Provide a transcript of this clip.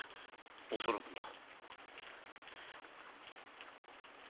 おそらくな。